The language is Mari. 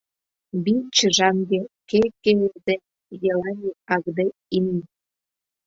— Би Чжанге, ке-кеу-де елани агдэ инн.